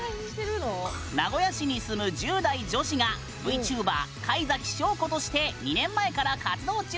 名古屋市に住む１０代女子がＶＴｕｂｅｒ怪崎ショウ子として２年前から活動中。